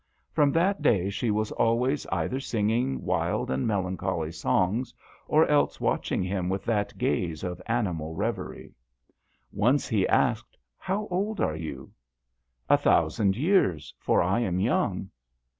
From that day she was always either singing wild and melancholy songs or else watching him with that gaze of animal reverie. Once he asked, " How old are you ?"" A thousand years, for I am young."